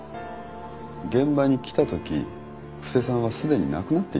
現場に来たとき布施さんはすでに亡くなっていた。